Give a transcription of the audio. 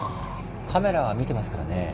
カメラは見てますからね。